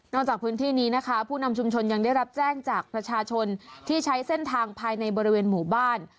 จากพื้นที่นี้นะคะผู้นำชุมชนยังได้รับแจ้งจากประชาชนที่ใช้เส้นทางภายในบริเวณหมู่บ้าน